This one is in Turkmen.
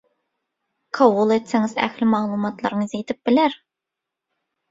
Kabul etseňiz ähli maglumatlaryňyz ýitip biler